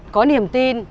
có niềm tin